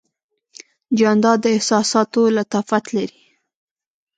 جانداد د احساساتو لطافت لري.